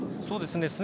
そうですね。